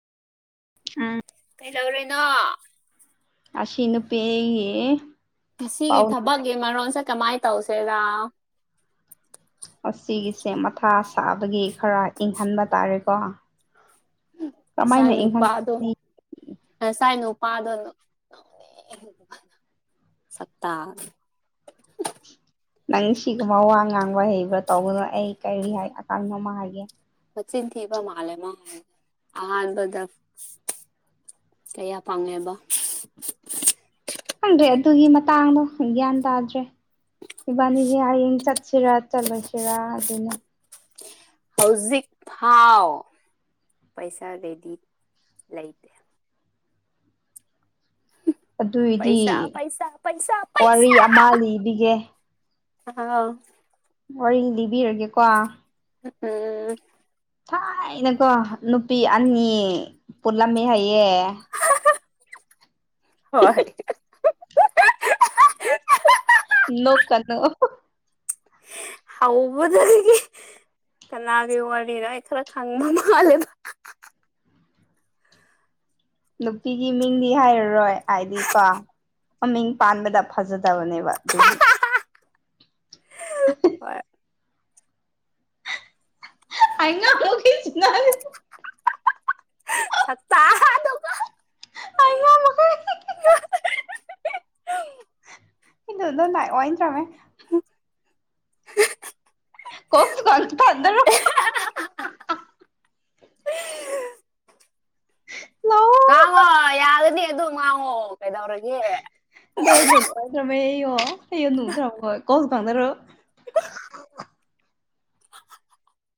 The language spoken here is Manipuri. ꯑ ꯀꯗꯧꯔꯤꯅꯣ ꯑ ꯁꯤꯅꯨꯄꯤꯒꯤ ꯉꯁꯤꯒꯤ ꯊꯕꯛꯀꯤ ꯃꯔꯣꯟꯁꯦ ꯀꯃꯥꯏꯅ ꯇꯧꯁꯦꯔꯥ ꯑꯁꯤꯒꯤꯁꯦ ꯃꯊꯥ ꯁꯥꯕꯒꯤ ꯈꯔ ꯏꯪꯍꯟꯕ ꯇꯥꯔꯦꯀꯣ ꯀꯃꯥꯏꯅ ꯑꯁꯥꯏꯅ ꯏꯪꯍꯟ ꯅꯨꯄꯥꯗꯣ ꯑꯁꯥꯏꯅ ꯎ ꯄꯥꯗꯣ ꯁꯠꯇꯥꯁꯤ [unintelligible] ꯅꯪ ꯁꯤꯒꯨꯝꯕ ꯋꯥ ꯉꯥꯡꯕ ꯍꯩꯕ꯭ꯔꯥ ꯇꯧꯕꯅꯣ ꯑꯩ ꯀꯔꯤ ꯍꯥꯏ ꯑꯀꯥꯡꯃ ꯍꯥꯏꯒꯦ ꯆꯤꯟ ꯊꯤꯕ ꯃꯥꯂ ꯃꯥ ꯑꯍꯥꯟꯕꯗ ꯀꯌꯥ ꯐꯪꯉꯦꯕ ꯈꯪꯗ꯭ꯔꯦ ꯑꯗꯨꯒꯤ ꯃꯇꯥꯡꯗꯣ ꯒ꯭ꯌꯥꯟ ꯇꯥꯗ꯭ꯔꯦ ꯏꯕꯥꯅꯤꯁꯦ ꯍꯌꯦꯡ ꯆꯠꯁꯤꯔꯥ ꯆꯠꯂꯣꯏꯁꯤꯔꯥ ꯑꯗꯨꯅꯦ ꯍꯧꯖꯤꯛ ꯐꯥꯎ ꯄꯩꯁꯥ ꯔꯦꯗꯤ ꯂꯩꯇ ꯑꯗꯨꯏꯗꯤ ꯄꯩꯁꯥ ꯄꯩꯁꯥ ꯄꯩꯁꯥ ꯋꯥꯔꯤ ꯄꯩꯁꯥ ꯑꯃ ꯂꯤꯕꯤꯒꯦ ꯑꯥꯎ ꯋꯥꯔꯤ ꯂꯤꯕꯤꯔꯒꯦꯀꯣ ꯎꯝ ꯊꯥꯏꯅꯀꯣ ꯅꯨꯄꯤ ꯑꯅꯤ ꯄꯨꯜꯂꯝꯃꯦ ꯍꯥꯏꯌꯦ ꯍꯣꯏ ꯅꯣꯛꯀꯅꯨ ꯍꯧꯕꯗꯒꯤ ꯀꯅꯥꯒꯤ ꯋꯥꯔꯤꯅꯣ ꯑꯩ ꯈꯔ ꯈꯪꯕ ꯃꯥꯜꯂꯦꯕ ꯅꯨꯄꯤꯒꯤ ꯃꯤꯡꯗꯤ ꯍꯥꯏꯔꯔꯣꯏ ꯍꯥꯏꯗꯤ ꯀꯣ ꯃꯃꯤꯡ ꯄꯥꯟꯕꯗ ꯐꯖꯗꯕꯅꯦꯕ ꯑꯗꯨꯒꯤ ꯍꯣꯏ ꯑꯥꯏ ꯉꯝꯃꯥꯛꯈꯦ ꯁꯅ ꯁꯠꯇ ꯍꯥ ꯑꯗꯨꯒ ꯏꯣ ꯑꯣꯏꯟ ꯇ꯭ꯔꯃꯦ [unintelligible] [unintelligible] ꯀꯣꯜꯁꯨ ꯀꯟꯊꯠꯅꯔꯣ ꯉꯥꯡꯉꯣ ꯌꯥꯒꯅꯤ ꯑꯗꯨꯝ ꯉꯥꯡꯉꯣ ꯀꯩꯗꯧꯔꯒꯦ ꯅꯗ꯭ꯔ ꯀꯁ ꯐꯗꯣ [unintelligible]